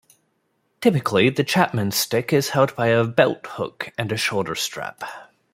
Typically, the Chapman Stick is held via a belt-hook and a shoulder strap.